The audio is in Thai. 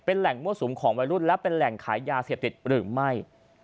แหล่งมั่วสุมของวัยรุ่นและเป็นแหล่งขายยาเสพติดหรือไม่